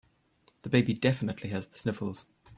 The baby definitely has the sniffles.